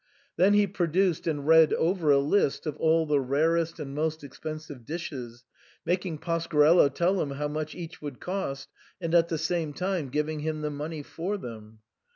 Then he produced and read over a list of all the rarest and most expensive dishes, making Pasquarello tell him how much each would cost, and at the same time giving him the money for them.